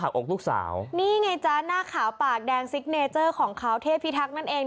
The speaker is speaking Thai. หักอกลูกสาวนี่ไงจ้ะหน้าขาวปากแดงของเขาเทพภิทักษ์นั่นเอง